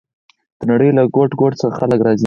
د نړۍ له ګوټ ګوټ څخه خلک راځي.